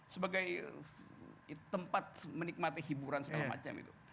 sebagai tempat menikmati hiburan segala macam itu